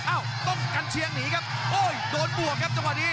ต้องกันเชียงหนีครับโอ้ยโดนบวกครับจังหวะนี้